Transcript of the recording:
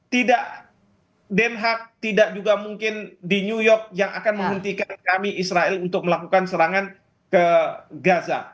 tidak den haag tidak juga mungkin di new york yang akan menghentikan kami israel untuk melakukan serangan ke gaza